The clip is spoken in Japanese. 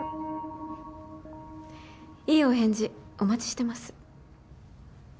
いいお返事お待ちしてます